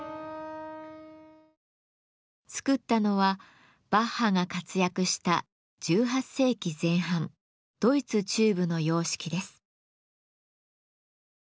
作ったのはバッハが活躍した１８世紀前半ドイツ中部の様式です。